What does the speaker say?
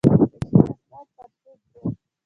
د شین اسمان پر شونډو